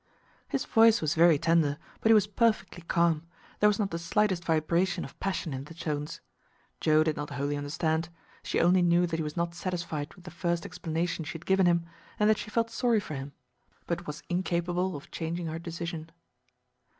His voice was very tender, but he was perfectly calm; there was not the slightest vibration of passion in the tones. Joe did not wholly understand; she only knew that he was not satisfied with the first explanation she had given him, and that she felt sorry for him, but was incapable of changing her decision.